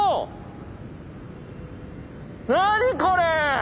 何これ！